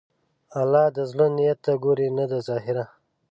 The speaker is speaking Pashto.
الله د زړه نیت ته ګوري، نه د ظاهره.